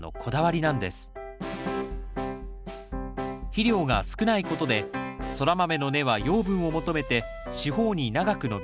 肥料が少ないことでソラマメの根は養分を求めて四方に長く伸びます。